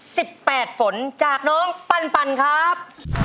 แปดฝนจากน้องปันปันครับ